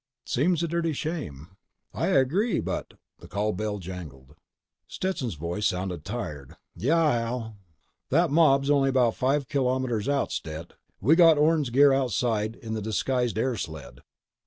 "Seems a dirty shame." "I agree, but—" The call bell jangled. Stetson's voice sounded tired: "Yeah, Hal?" "That mob's only about five kilometers out, Stet. We've got Orne's gear outside in the disguised air sled."